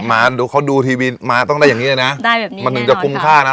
มาดูเขาดูทีวีมาต้องได้อย่างงี้เลยนะได้แบบนี้มันถึงจะคุ้มค่านะ